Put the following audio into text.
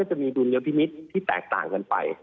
จะมีดุลยพิมิตรที่แตกต่างกันไป